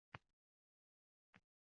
Toshkentda metro qachon qurilgan edi?